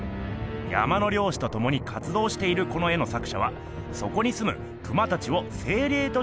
山のりょうしとともにかつどうしているこの絵の作しゃはそこにすむクマたちをせいれいとして描いてるんですよ。